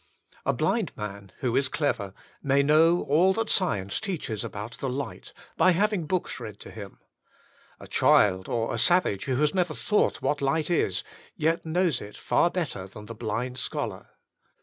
A blind man, who is clever, may know all that science teaches about the light, by having books read to him. A child, or a savage, who has never thought what light is, yet knows it far better than the blind scholar.